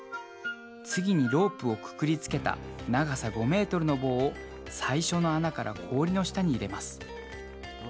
次にロープをくくりつけた長さ５ｍの棒を最初の穴から氷の下に入れます。